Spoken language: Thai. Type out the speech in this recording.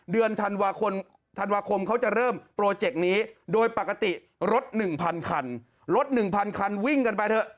เดือนธันวาคมธันวาคมเขาจะเริ่มโปรเจกต์นี้โดยปกติรถ๑๐๐คันรถ๑๐๐คันวิ่งกันไปเถอะ